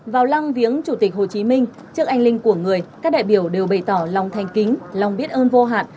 vào lăng viếng chủ tịch hồ chí minh trước anh linh của người các đại biểu đều bày tỏ lòng thanh kính lòng biết ơn vô hạn